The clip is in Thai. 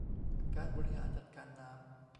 การบริหารจัดการน้ำ